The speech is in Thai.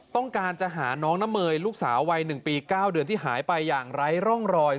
ต้องการจะหาน้องน้ำเมยลูกสาววัย๑ปี๙เดือนที่หายไปอย่างไร้ร่องรอย